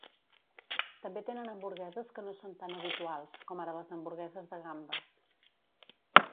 També tenen hamburgueses que no són tan habituals, com ara les hamburgueses de gambes.